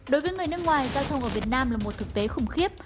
đối với người nước ngoài giao thông ở việt nam là một thực tế khủng khiếp